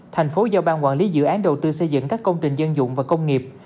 thành phố giao ban quản lý dự án đầu tư xây dựng các công trình dân dụng và công nghiệp